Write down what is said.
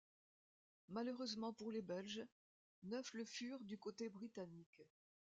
Malheureusement pour les belges, neuf le furent du côté britannique.